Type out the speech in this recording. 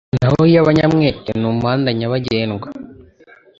naho iy’abanyamwete ni umuhanda nyabagendwa